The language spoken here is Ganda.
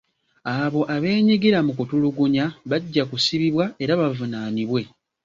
Abo abeenyigira mu kutulugunya bajja kusibibwa era bavunaanibwe.